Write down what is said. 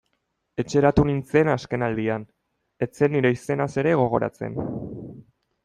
Etxeratu nintzen azken aldian, ez zen nire izenaz ere gogoratzen...